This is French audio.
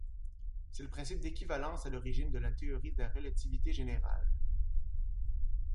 C'est le principe d'équivalence à l'origine de la théorie de la relativité générale.